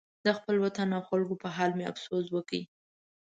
د خپل وطن او خلکو په حال مې افسوس وکړ.